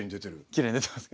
きれいに出てますか？